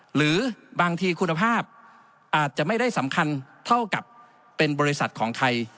หรือบางทีคุณภาพอาจจะไม่ได้สำคัญเท่ากับเป็นบริษัทของไทย